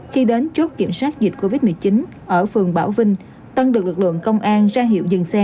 khi đến chốt kiểm soát dịch covid một mươi chín ở phường bảo vinh tân được lực lượng công an ra hiệu dừng xe